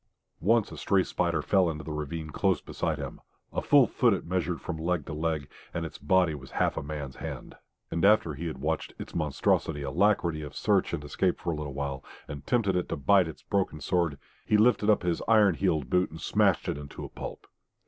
Once a stray spider fell into the ravine close beside him a full foot it measured from leg to leg, and its body was half a man's hand and after he had watched its monstrous alacrity of search and escape for a little while, and tempted it to bite his broken sword, he lifted up his iron heeled boot and smashed it into a pulp.